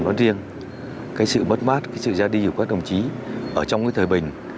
nói riêng cái sự mất mát cái sự ra đi của các đồng chí ở trong cái thời bình